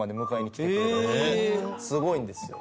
すごいんですよ。